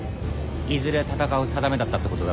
いずれ戦う定めだったってことだろう。